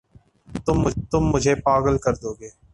تم مجھے پاگل کر دو گے